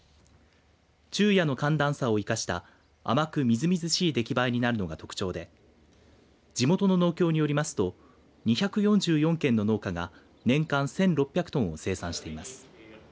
昼夜の寒暖差を生かした甘くみずみずしい出来栄えになるのが特徴で地元の農協によりますと２４４軒の農家が年間１６００トンを生産しています。